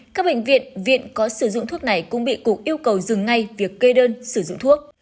các bệnh viện viện có sử dụng thuốc này cũng bị cục yêu cầu dừng ngay việc kê đơn sử dụng thuốc